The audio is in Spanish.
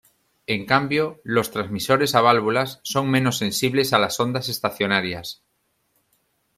En cambio, los transmisores a válvulas son menos sensibles a las ondas estacionarias.